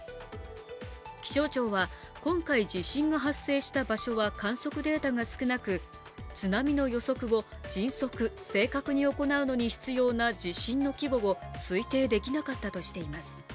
気象庁は今回、地震が発生した場所は観測データが少なく津波の予測を迅速、正確に行うのに必要な地震の規模を推定できなかったとしています。